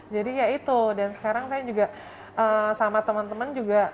jadi ya itu dan sekarang saya juga sama teman teman juga